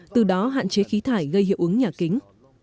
từ đó hạn chế khí thải gây hiệu ứng nhà kính